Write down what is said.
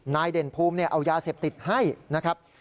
เด่นภูมิเอายาเสพติดให้นะครับ